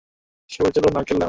সবাই, চলো, নারকেল ভাঙ্গবো।